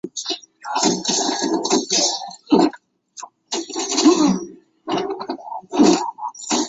英格兰是联合王国四个主要地区中面积最大以及人口最多的地方。